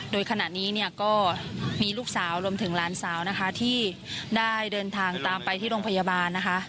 โดยขณะนี้เนี่ยก็มีลูกสาวรวมถึงหลานสาวนะคะที่ได้เดินทางตามไปที่โรงพยาบาลนะคะ